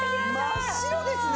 真っ白ですね！